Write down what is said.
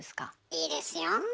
いいですよ。